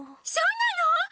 そうなの！？